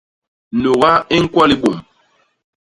Nuga i ñkwo libôm.